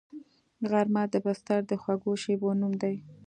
غرمه د بستر د خوږو شیبو نوم دی